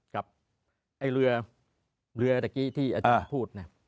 กับไอ้เรือเรือตะกี้ที่อาจารย์พูดนะ